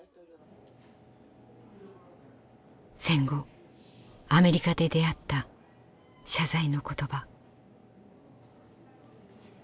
戦後アメリカで出会った謝罪の言葉。